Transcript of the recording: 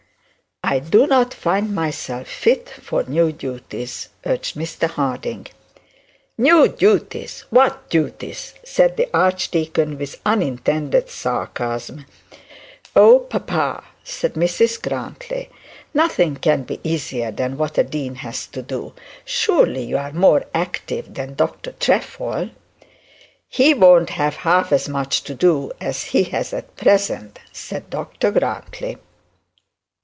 'I do not find myself fit for new duties,' urged Mr Harding. 'New duties! what duties?' said the archdeacon, with unintended sarcasm. 'Oh, papa,' said Mrs Grantly, 'nothing can be easier that what a dean has to do. Surely you are more active than Dr Trefoil.' 'He won't have half as much to do as at present,' said Dr Grantly.